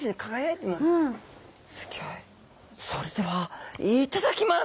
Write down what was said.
それではいただきます！